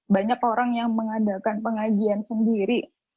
banyak orang yang mengadakan pengajian sendiri